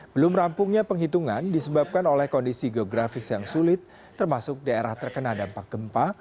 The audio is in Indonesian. belum rampungnya penghitungan disebabkan oleh kondisi geografis yang sulit termasuk daerah terkena dampak gempa